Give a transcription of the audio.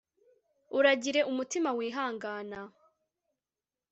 uragire umutima wihangana